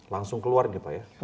langsung keluar gitu ya pak ya